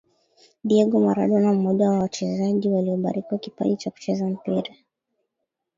Diego Maradona mmoja wa wachezaji waliobarikiwa kipaji cha kucheza mpira